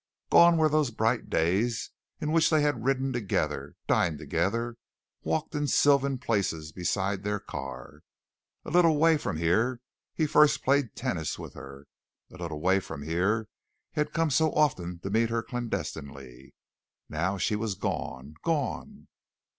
Gone were those bright days in which they had ridden together, dined together, walked in sylvan places beside their car. A little way from here he first played tennis with her. A little way from here he had come so often to meet her clandestinely. Now she was gone gone.